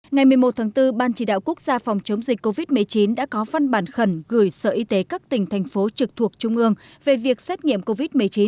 ngày một mươi một tháng bốn ban chỉ đạo quốc gia phòng chống dịch covid một mươi chín đã có văn bản khẩn gửi sở y tế các tỉnh thành phố trực thuộc trung ương về việc xét nghiệm covid một mươi chín